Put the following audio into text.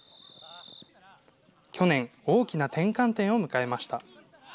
去年、大きな転換点を迎えました。